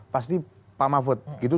pasti pak mahfud gitu